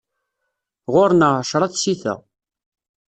Ɣur-neɣ εecra tsita.